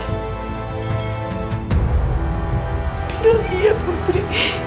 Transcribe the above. tapi dia putri